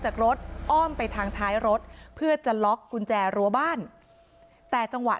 จากรถอ้อมไปทางท้ายรถเพื่อจะล็อกกุญแจรั้วบ้านแต่จังหวะ